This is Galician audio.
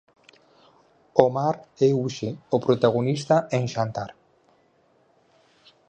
O mar é hoxe o protagonista en Xantar.